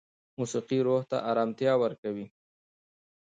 موسیقي روح ته ارامتیا ورکوي.